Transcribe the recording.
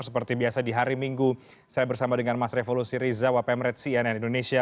seperti biasa di hari minggu saya bersama dengan mas revo siriza wpm red cnn indonesia